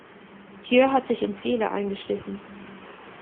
Hier hat sich ein Fehler eingeschlichen.